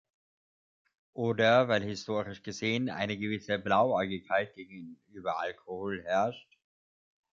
Oder weil historisch gesehen eine gewisse Blauäugigkeit gegenüber Alkohol herrscht?